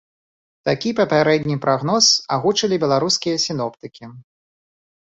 Такі папярэдні прагноз агучылі беларускія сіноптыкі.